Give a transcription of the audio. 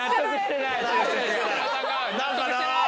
「何かなぁ」。